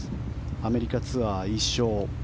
アメリカツアー１勝。